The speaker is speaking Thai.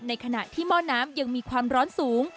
ในขณะที่หม้อน้ำยังมีความร้อนสูง